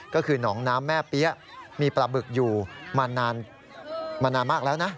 ก็คือหนองน้ำแม่เปี๊ยะมีปลาบึกอยู่มานานมากแล้วนะ